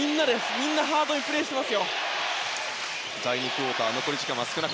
みんなハードにプレーしてますよ。